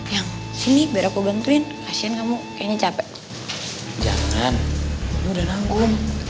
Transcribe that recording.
yang sini berapa bantuin kasihan kamu kayaknya capek jangan udah nanggung